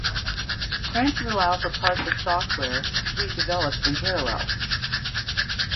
Branches allow for parts of software to be developed in parallel.